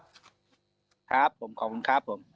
ครับผมขอบคุณครับผม